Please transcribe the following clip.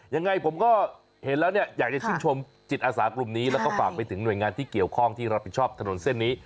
ยังไงผมก็เห็นแล้วเนี่ยอยากจะชื่นชมจิตอาสากลุ่มนี้แล้วก็ฝากไปถึงหน่วยงานที่เกี่ยวข้องที่รับผิดชอบถนนเส้นนี้